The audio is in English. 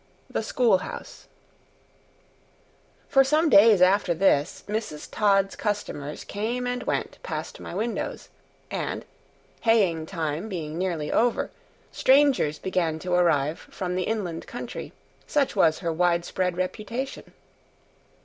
The Schoolhouse FOR SOME DAYS after this, Mrs. Todd's customers came and went past my windows, and, haying time being nearly over, strangers began to arrive from the inland country, such was her widespread reputation.